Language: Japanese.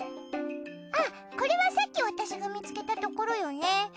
あっこれはさっき私が見つけたところよね。